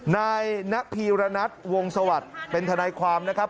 นายนักพีรณัฐวงศวรรษเป็นทนายความนะครับ